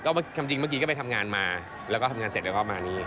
ความจริงเมื่อกี้ก็ไปทำงานมาแล้วก็ทำงานเสร็จแล้วก็มานี่